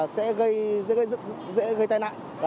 sẽ gây tai nạn